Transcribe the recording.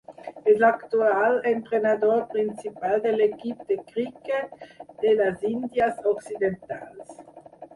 És l'actual entrenador principal de l'equip de criquet de les Índies Occidentals.